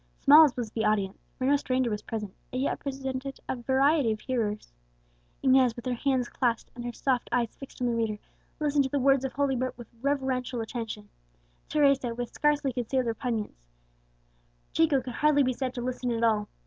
Small as was the audience for no stranger was present it yet represented a variety of hearers. Inez, with her hands clasped, and her soft eyes fixed on the reader, listened to the words of Holy Writ with reverential attention; Teresa, with scarcely concealed repugnance; Chico could hardly be said to listen at all.